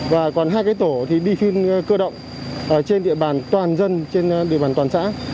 và còn hai tổ thì đi phiên cơ động trên địa bàn toàn dân trên địa bàn toàn xã